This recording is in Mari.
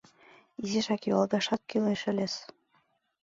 Изишак юалгашат кӱлеш ыльыс.